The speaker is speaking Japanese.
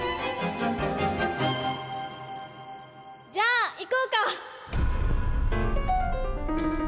じゃあいこうか！